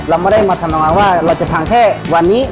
เราไม่ได้มาทำอยว่าเราจะพังแค่วันนี้